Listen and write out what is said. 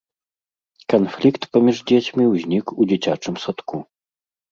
Канфлікт паміж дзецьмі ўзнік у дзіцячым садку.